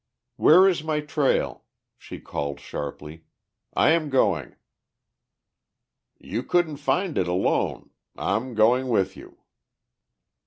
"Where is my trail?" she called sharply. "I am going." "You couldn't find it alone. I'm going with you."